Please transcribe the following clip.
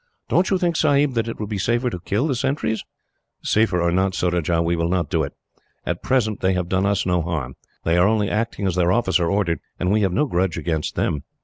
"Don't you think, Sahib, that it would be safer to kill the sentries?" "Safer or not, Surajah, we will not do it. At present, they have done us no harm. They are only acting as their officer ordered, and we have no grudge against them.